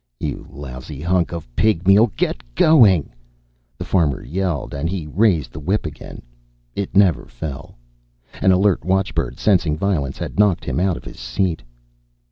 "You lousy hunk of pigmeal, git going!" the farmer yelled and he raised the whip again. It never fell. An alert watchbird, sensing violence, had knocked him out of his seat.